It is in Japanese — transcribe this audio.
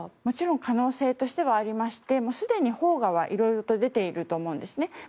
もちろん可能性としてはありましてすでにいろいろと出ていると思うんですね。